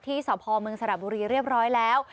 สพเมืองสระบุรีเรียบร้อยแล้ว